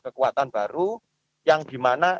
kelembatan baru yang dimana